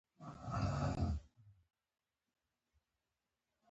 وړه مرغۍ په هوا کې وچوڼېده.